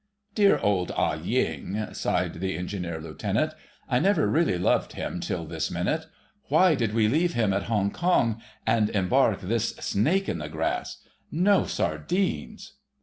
"Dear old Ah Ying!" sighed the Engineer Lieutenant, "I never really loved him till this minute. Why did we leave him at Hong Kong and embark this snake in the grass.... No sardines...!"